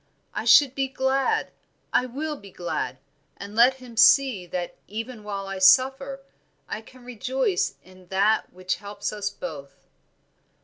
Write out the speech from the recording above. I should be glad, I will be glad, and let him see that even while I suffer I can rejoice in that which helps us both."